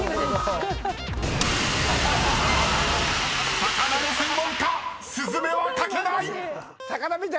［魚の専門家「スズメ」は書けない！］